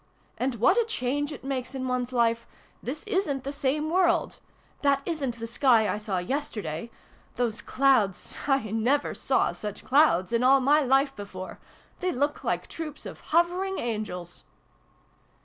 And what a change it makes in one's Life ! This isn't the same world ! That isn't the sky I saw yesterday ! Those clouds 1 never saw such clouds in all my life before ! They look like troops of hovering angels